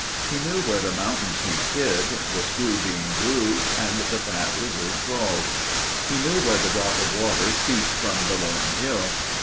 He knew where the mountain sheep hid, the screw bean grew and the fat lizard crawled. He knew where the drop of water seeped from the lone hill.